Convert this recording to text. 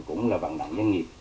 cũng là bằng đảng doanh nghiệp